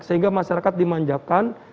sehingga masyarakat dimanjakan